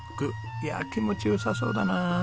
いや気持ち良さそうだな。